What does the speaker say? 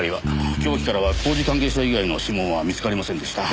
凶器からは工事関係者以外の指紋は見つかりませんでした。